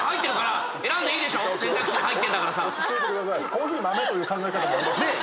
コーヒー豆という考え方もね。